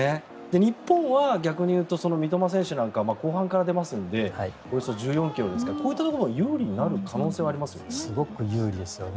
日本は逆に言うと三笘選手なんかは後半から出ますのでおよそ１４ｋｍですけどこういったところ有利になる可能性もありますよね？